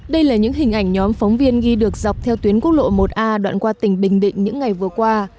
đây là những hình ảnh nhóm phóng viên ghi được dọc theo tuyến quốc lộ một a đoạn qua tỉnh bình định những ngày vừa qua